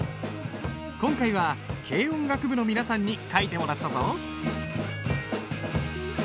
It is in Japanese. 今回は軽音楽部の皆さんに書いてもらったぞ。